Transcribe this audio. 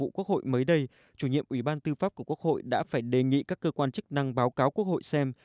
ủy ban thường vụ quốc hội mới đây chủ nhiệm ủy ban tư pháp của quốc hội đã phải đề nghị các cơ quan chức năng báo cáo quốc hội xem